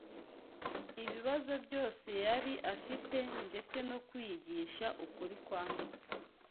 ibibazo byose yari afite ndetse no kwiyigisha ukuri kwanditswe